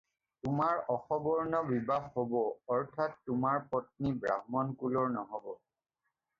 তোমাৰ অসবৰ্ণ বিবাহ হ'ব অৰ্থাৎ তোমাৰ পতি ব্ৰাহ্মণ কুলৰ নহ'ব।